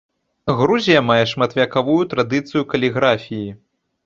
Грузія мае шматвяковую традыцыю каліграфіі.